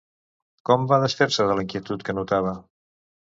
Com va desfer-se de la inquietud que notava?